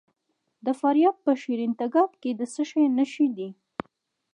د فاریاب په شیرین تګاب کې د څه شي نښې دي؟